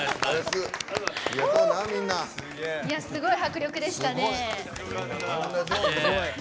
すごい迫力でしたね。